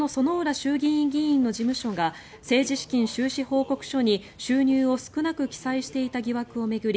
衆議院議員の事務所が政治資金収支報告書に収入を少なく記載していた疑惑を巡り